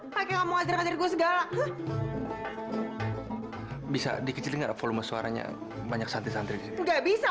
pakai ngomong aja gue segala bisa dikecilin volume suaranya banyak santri santri nggak bisa